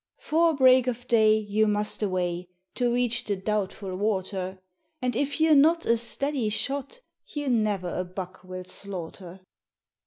'Fore break of day you must away To reach the doubtful water, And if you're not a steady shot You ne'er a buck will slaughter.